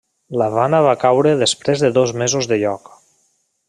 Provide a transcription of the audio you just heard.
L'Havana va caure després de dos mesos de lloc.